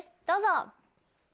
どうぞ！